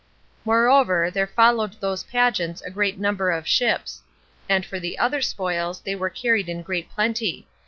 Moreover, there followed those pageants a great number of ships; and for the other spoils, they were carried in great plenty.